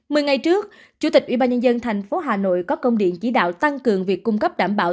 mười ngày trước chủ tịch ubnd tp hà nội có công điện chỉ đạo tăng cường việc cung cấp đảm bảo